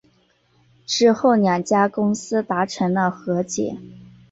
之后两家公司达成了和解。